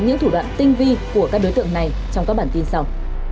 những thủ đoạn tinh vi của các đối tượng này trong các bản tin sau